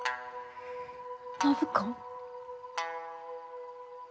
暢子。